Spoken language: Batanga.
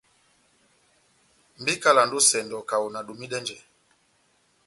Mba ikalandi ó esɛndɔ kaho nadomidɛnjɛ.